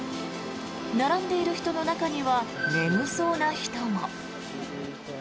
並んでいる人の中には眠そうな人も。